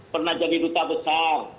pernah jadi ruta besar